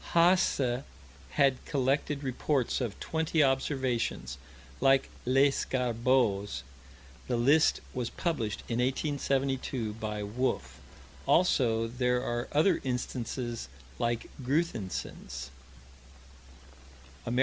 Haase had collected reports of twenty observations like Lescarbault's. The list was published in 1872, by Wolf. Also there are other instances like Gruthinsen's: _Amer.